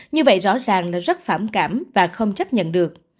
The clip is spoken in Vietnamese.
như vậy rõ ràng là rất phản cảm và không chấp nhận được